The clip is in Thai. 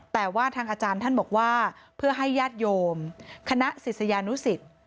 แต่ว่าทางอาจารย์ท่านบอกว่าเพื่อให้ญาติโยมคณะศิษยานุสิต